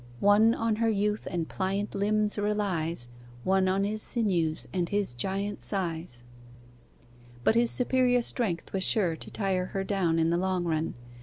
'One on her youth and pliant limbs relies, One on his sinews and his giant size.' But his superior strength was sure to tire her down in the long run.